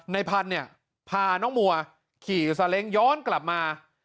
พันธุ์เนี่ยพาน้องมัวขี่ซาเล้งย้อนกลับมา